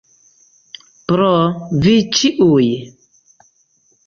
Pro vi ĉiuj.